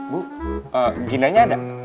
bu ginanya ada